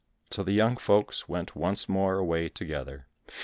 So the young folks went once more away together.